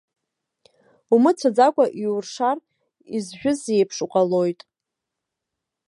Умыцәаӡакәа иуршар, изжәыз иеиԥш уҟалоит.